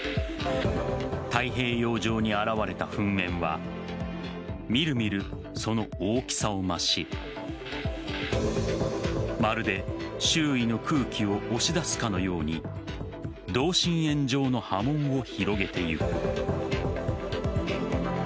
太平洋上に現れた噴煙はみるみるその大きさを増しまるで周囲の空気を押し出すかのように同心円状の波紋を広げていく。